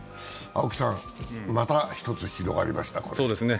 青木さん、また一つ広がりました。